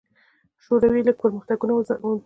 شوروي لړ پرمختګونه وپنځول.